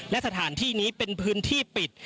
และสถานที่นี้เป็นพื้นที่ปิด